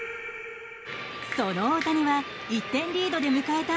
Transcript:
その大谷は１点リードで迎えた